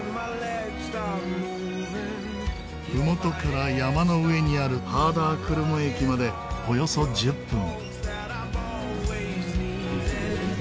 ふもとから山の上にあるハーダークルム駅までおよそ１０分。